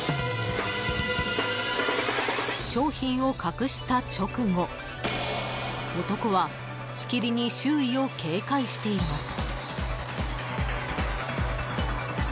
商品を隠した直後、男はしきりに周囲を警戒しています。